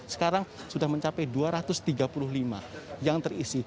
sekarang sudah mencapai dua ratus tiga puluh lima yang terisi